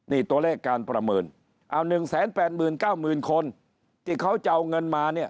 นี่ตัวเลขการประเมิน๑๘๙๐๐๐๐คนที่เขาจะเอาเงินมา